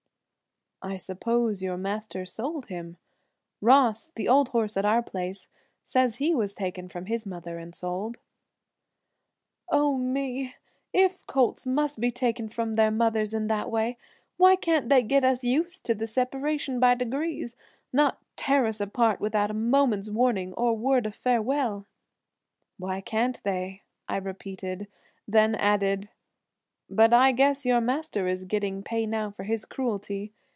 "I suppose your master sold him. Ross, the old horse at our place, says he was taken from his mother and sold." "Oh me! if colts must be taken from their mothers in that way, why can't they get us used to the separation by degrees, not tear us apart without a moment's warning or word of farewell?" "Why can't they?" I repeated, then added: "But I guess your master is getting pay now for his cruelty.